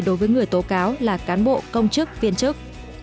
đối với người tố cáo là cán bộ công chức viên chức